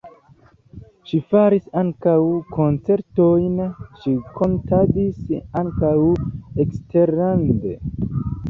Ŝi faris ankaŭ koncertojn, ŝi kantadis ankaŭ eksterlande.